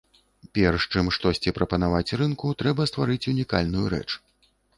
Перш, чым штосьці прапанаваць рынку, трэба стварыць унікальную рэч.